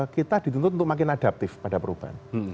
kita dituntut untuk makin adaptif pada perubahan